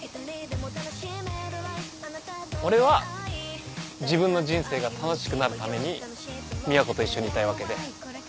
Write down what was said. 俺は自分の人生が楽しくなるために美和子と一緒にいたいわけで。